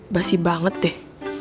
basi banget deh